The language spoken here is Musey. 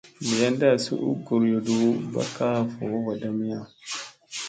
Bayanda asi u gooyodu ba kaa voo vadamiya.